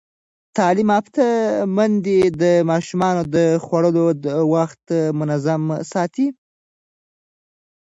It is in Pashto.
تعلیم یافته میندې د ماشومانو د خوړو وخت منظم ساتي.